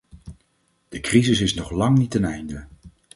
De crisis is nog lang niet ten einde.